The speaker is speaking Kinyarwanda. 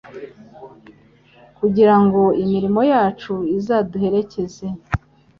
kugirango imirimo yacu izaduherekeze